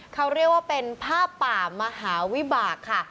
เขาเรียกว่าเป็นผ้าป่ามหาวิบากค่ะ